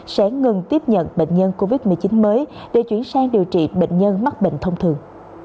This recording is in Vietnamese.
sẽ ngừng tiếp nhận bệnh nhân covid một mươi chín mới để chuyển sang điều trị bệnh nhân mắc bệnh thông thường